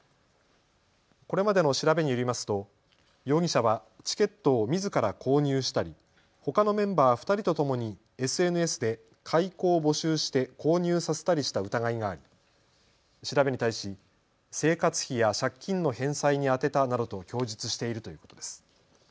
これまでの調べによりますと容疑者はチケットをみずから購入したり、ほかのメンバー２人とともにＳＮＳで買い子を募集して購入させたりした疑いがあり調べに対し生活費や借金の返済に充てたなどと供述しているということです。